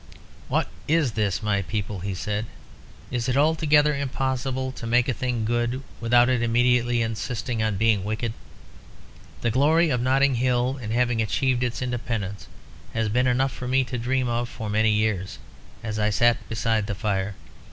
"What is this, my people?" he said. "Is it altogether impossible to make a thing good without it immediately insisting on being wicked? The glory of Notting Hill in having achieved its independence, has been enough for me to dream of for many years, as I sat beside the fire.